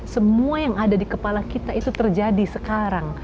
semua yang ada di kepala kita itu terjadi sekarang